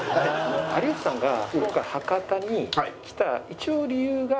有吉さんが今回博多に来た一応理由が。